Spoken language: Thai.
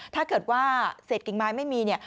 ถ้าเกิดว่าเศษกิ่งไม้ไม่มีเนี่ย